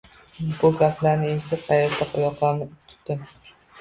Bu gaplarni eshitib xayratdan yoqamni tutdim.